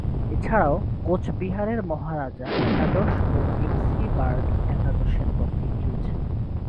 এছাড়াও, কোচবিহারের মহারাজা একাদশ ও এমসি বার্ড একাদশের পক্ষে খেলেছেন।